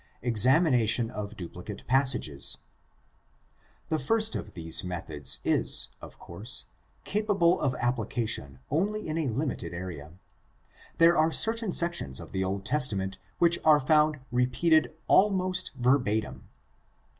Examination of duplicate passages. — The first of these methods is, of course, capable of application only in a limited area. There are certain sections of the Old Testament which are found repeated almost verbatim.